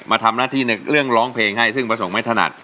มาทำหน้าที่ในเรื่องร้องเพลงให้ซึ่งประสงค์ไม่ถนัด